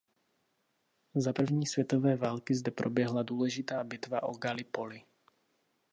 Za první světové války zde proběhla důležitá bitva o Gallipoli.